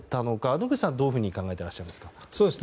野口さんはどう考えていらっしゃいますか。